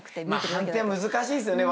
判定難しいですよね。